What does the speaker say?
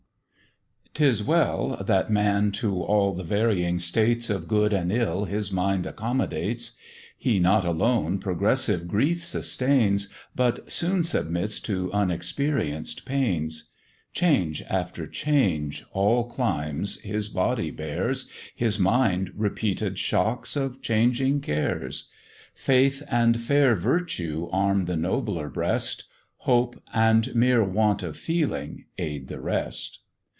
'TIS well that Man to all the varying states Of good and ill his mind accommodates; He not alone progressive grief sustains, But soon submits to unexperienced pains: Change after change, all climes his body bears; His mind repeated shocks of changing cares: Faith and fair Virtue arm the nobler breast; Hope and mere want of feeling aid the rest.